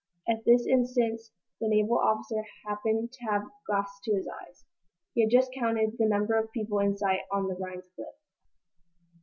At this instant the naval officer happened to have his glass to his eyes. He had just counted the number of people in sight on the Rhinds craft.